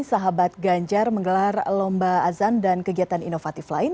sahabat ganjar menggelar lomba azan dan kegiatan inovatif lain